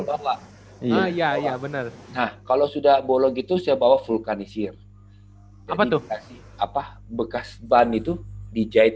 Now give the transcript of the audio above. bawa ya ya bener nah kalau sudah bolong gitu saya bawa vulkanisir apa tuh apa bekas ban itu dijahit